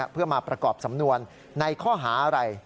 เพื่อมาประกอบสำนวนในข้อหาอะไร